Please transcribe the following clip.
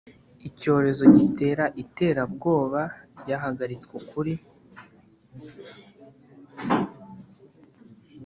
icyerekezo gitera iterabwoba ryahagaritswe ukuri.